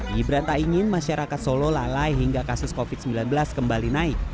gibran tak ingin masyarakat solo lalai hingga kasus covid sembilan belas kembali naik